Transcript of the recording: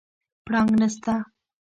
پړانګ نسته